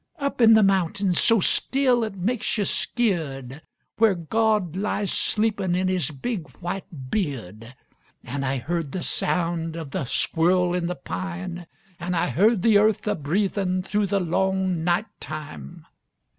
Up in the mountains, so still it makes yuh skeered. Where God lies sleepin' in his big white beard. An' I heard the sound of the squirrel in the pine, An' I heard the earth a breathin' thu' the long night time.